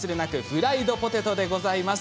フライドポテトでございます。